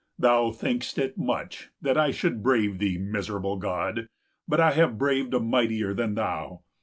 Thou think'st it much 205 That I should brave thee, miserable god! But I have braved a mightier than thou.